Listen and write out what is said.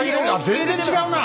全然違うな！